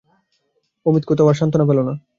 অমিত কোথাও আর সান্ত্বনা পেল না।